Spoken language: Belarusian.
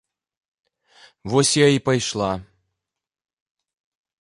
Вось я і пайшла.